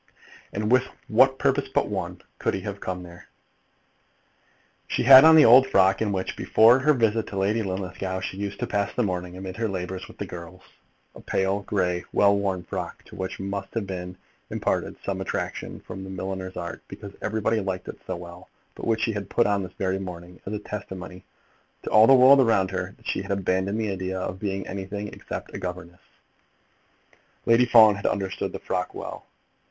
And with what purpose but one could he have come there? She had on the old, old frock in which, before her visit to Lady Linlithgow, she used to pass the morning amidst her labours with the girls, a pale, grey, well worn frock, to which must have been imparted some attraction from the milliner's art, because everybody liked it so well, but which she had put on this very morning as a testimony, to all the world around her, that she had abandoned the idea of being anything except a governess. Lady Fawn had understood the frock well.